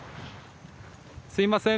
すみません。